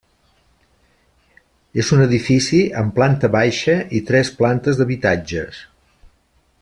És un edifici amb planta baixa i tres plantes d'habitatges.